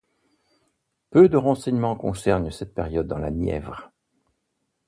Peu de renseignement concernent cette période dans la Nièvre.